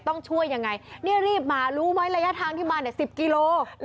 ต้องช่วยยังไงนี่รีบมารู้ไหมระยะทางที่มาเนี่ย๑๐กิโล